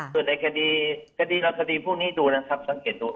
ส่วนในกดีลักษณีย์พวกนี้ดูนะครับสังเกตดู